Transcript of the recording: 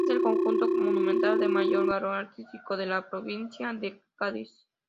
Es el conjunto monumental de mayor valor artístico de la provincia de Cádiz.